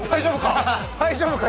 大丈夫か？